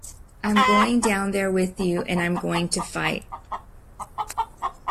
I'm going down there with you, and I'm going to fight.